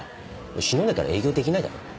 忍んでたら営業できないだろ。